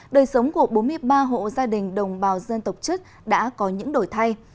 đời sống của bốn mươi ba hộ gia đình đồng bào dân tộc chất đã có những đổi thay